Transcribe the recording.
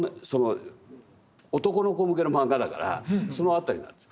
男の子向けのマンガだからその辺りなんです。